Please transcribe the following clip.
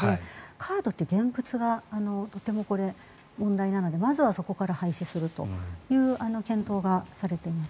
カードって現物がとても問題なのでまずはそこから廃止するという見当がされています。